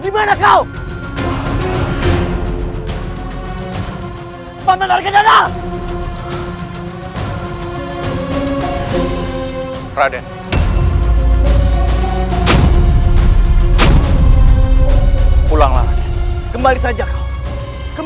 masuklah ke dalam